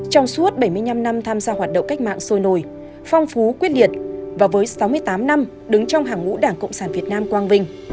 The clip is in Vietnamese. trong suốt bảy mươi năm năm tham gia hoạt động cách mạng sôi nổi phong phú quyết điệt và với sáu mươi tám năm đứng trong hàng ngũ đảng cộng sản việt nam quang vinh